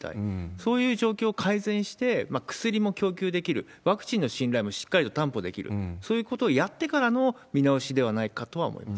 そういう状況を改善して、薬も供給できる、ワクチンの信頼もしっかりと担保できる、そういうことをやってからの見直しではないかとは思います。